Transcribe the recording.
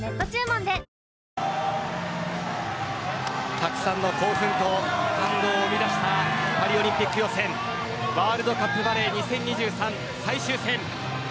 たくさんの興奮と感動を生み出したパリオリンピック予選ワールドカップバレー２０２３最終戦。